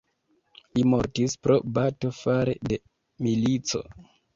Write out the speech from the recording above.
Li mortis pro bato fare de milico.